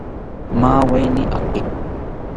Maaweni aake